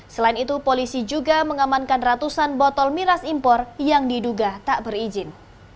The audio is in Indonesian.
selain itu polisi juga mengamankan ratusan botol miras impor yang diduga tak berizin